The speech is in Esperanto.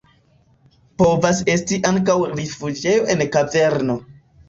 Povas esti ankaŭ rifuĝejo en kaverno.